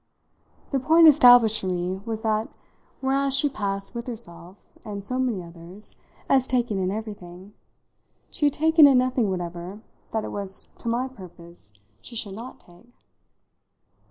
The point established for me was that, whereas she passed with herself and so many others as taking in everything, she had taken in nothing whatever that it was to my purpose she should not take.